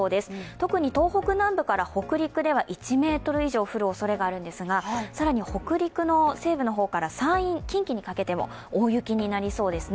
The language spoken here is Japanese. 特に東北南部から北陸では１ｍ以上降るおそれがあるのですが、更に北陸の西部の方から、山陰、近畿にかけても大雪になりそうですね。